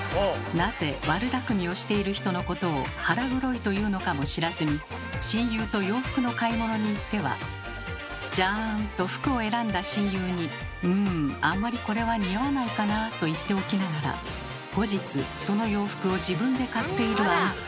なぜ悪だくみをしている人のことを「腹黒い」というのかも知らずに親友と洋服の買い物に行っては「じゃん！」と服を選んだ親友に「うんあんまりこれは似合わないかな」と言っておきながら後日その洋服を自分で買っているあなた。